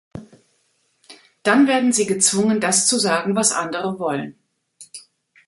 Dann werden sie gezwungen, das zu sagen, was andere wollen.